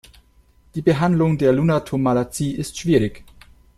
Die Behandlung der Lunatum-Malazie ist schwierig.